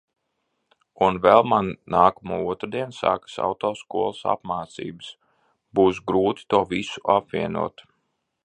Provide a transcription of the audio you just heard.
Un vēl man nākamo otrdienu sākas autoskolas apmācības. Būs grūti to visu apvienot.